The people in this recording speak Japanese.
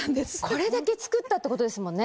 これだけ作ったってことですもんね。